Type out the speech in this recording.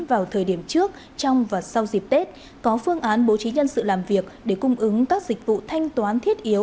vào thời điểm trước trong và sau dịp tết có phương án bố trí nhân sự làm việc để cung ứng các dịch vụ thanh toán thiết yếu